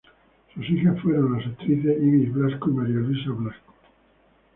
Sus hijas fueron las actrices Ibis Blasco y María Luisa Blasco.